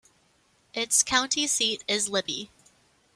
Its county seat is Libby.